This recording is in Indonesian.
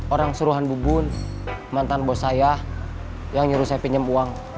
orang suruhan bubun mantan bos saya yang nyuruh saya pinjam uang